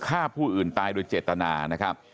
ฆ่าผู้อื่นตายโดยเจตนานะครับ